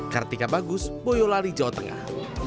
kartika bagus boyolali jawa tengah